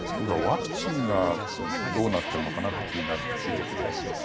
ワクチンがどうなっているのかなって気になるんです、中国で。